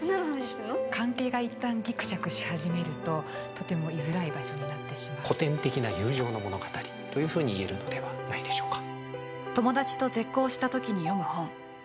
関係がいったんぎくしゃくし始めるととても居づらい場所に古典的な友情の物語というふうに言えるのではないでしょうか。